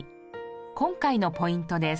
今回のポイントです。